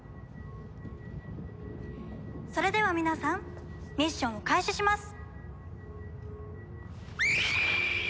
それでは皆さんミッションを開始します。